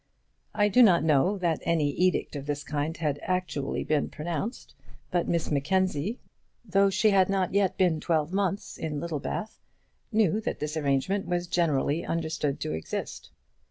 I do not know that any edict of this kind had actually been pronounced, but Miss Mackenzie, though she had not yet been twelve months in Littlebath, knew that this arrangement was generally understood to exist.